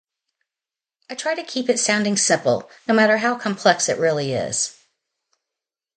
I try to keep it sounding simple, no matter how complex it really is.